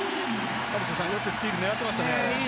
よくスティールを狙っていましたね。